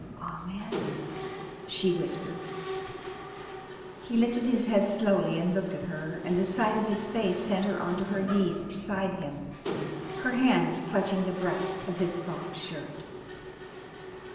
"Ahmed!" she whispered. He lifted his head slowly and looked at her, and the sight of his face sent her on to her knees beside him, her hands clutching the breast of his soft shirt.